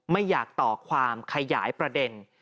ไม่อยากต่อความขยายประเด็น